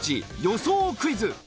予想クイズ。